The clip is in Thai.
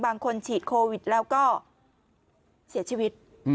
บางคนฉีดโควิดแล้วก็เสียชีวิต